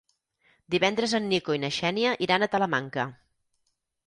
Divendres en Nico i na Xènia iran a Talamanca.